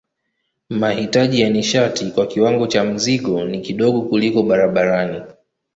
Mahitaji ya nishati kwa kiwango cha mzigo ni kidogo kuliko barabarani.